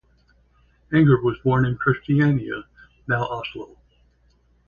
Enger was born in Christiania (now Oslo).